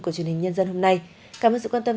của truyền hình nhân dân hôm nay cảm ơn sự quan tâm